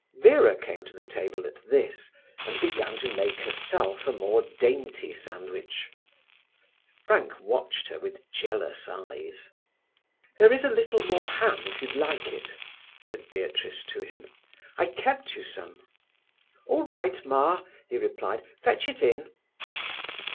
Vera came to the table at this, and began to make herself a more dainty sandwich. Frank watched her with jealous eyes. "There is a little more ham, if you'd like it," said Beatrice to him. "I kept you some." "All right, Ma," he replied. Fetch it in."